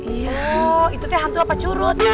iya itu teh hantu apa curut